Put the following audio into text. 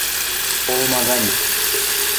Олма гань...